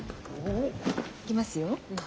いきますよ。